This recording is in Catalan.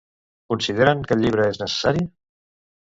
Consideren que el llibre és necessari?